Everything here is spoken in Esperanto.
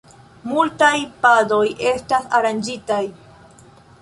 Multaj padoj estas aranĝitaj.